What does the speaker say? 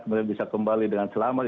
kemudian bisa kembali dengan selamat